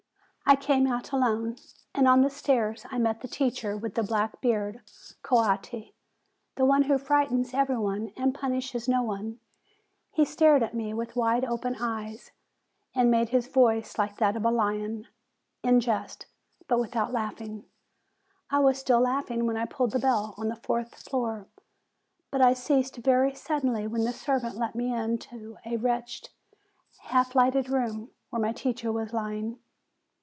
I came out alone, and on the stairs I met the teacher with the black beard Coatti, the one who frightens every one and punishes no one. He stared at me with wide open eyes, and made his voice like that of a lion, in jest, but without laughing. I was still laughing when I pulled the bell on the fourth floor; but I ceased very suddenly when the servant let me into a wretched, half lighted room, where my teacher was lying.